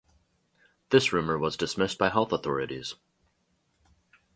This rumor was dismissed by health authorities.